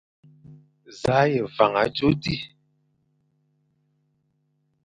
Za a ye van adzo di ?